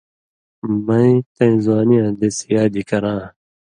مَیں تَیں زوانی یاں دیس یادی کراں